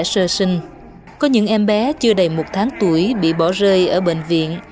sơ sinh có những em bé chưa đầy một tháng tuổi bị bỏ rơi ở bệnh viện